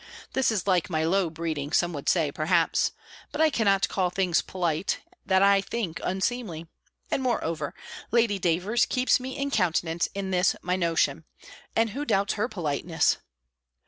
This is like my low breeding, some would say, perhaps, but I cannot call things polite, that I think unseemly; and, moreover. Lady Davers keeps me in countenance in this my notion; and who doubts her politeness?